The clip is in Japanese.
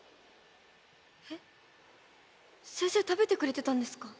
えっ先生食べてくれてたんですか？